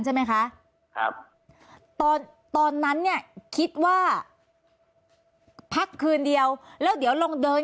ใช่ไหมคะครับตอนตอนนั้นเนี่ยคิดว่าพักคืนเดียวแล้วเดี๋ยวลองเดิน